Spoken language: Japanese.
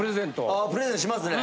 ああプレゼントしますね。